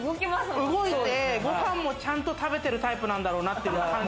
動いて、ご飯もちゃんと食べてるタイプなんだろうなって。